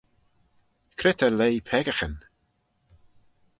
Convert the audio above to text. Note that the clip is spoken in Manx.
Cre ta leih peccaghyn?